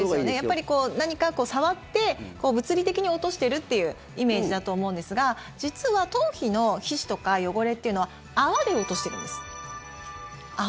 やっぱり何か触って物理的に落としてるっていうイメージだと思うんですが実は頭皮の皮脂とか汚れは泡で落としてるんです、泡。